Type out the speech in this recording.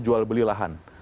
jual beli lahan